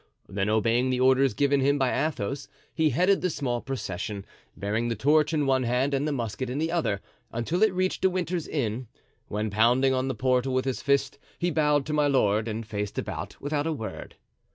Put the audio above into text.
Then obeying the orders given him by Athos, he headed the small procession, bearing the torch in one hand and the musket in the other, until it reached De Winter's inn, when pounding on the portal with his fist, he bowed to my lord and faced about without a word.